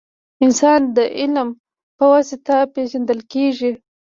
• انسان د عمل په واسطه پېژندل کېږي.